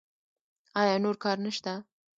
ایا نور کار نشته؟